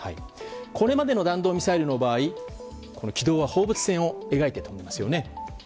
これまでの弾道ミサイルの場合軌道は放物線を描いていたんですよね。